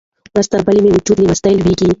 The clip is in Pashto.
ورځ تر بلې مې وجود له مستۍ لویږي.